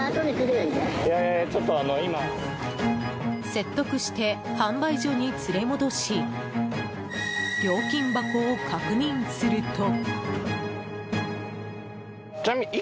説得して販売所に連れ戻し料金箱を確認すると。